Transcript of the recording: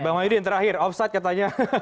bang wajid yang terakhir offset katanya